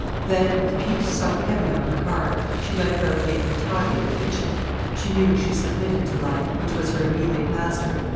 Then, with peace sunk heavy on her heart, she went about making tidy the kitchen. She knew she submitted to life, which was her immediate master.